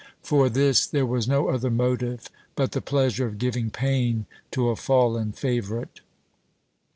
For this there was no other motive but the pleasure of giving pain to a fallen favourite.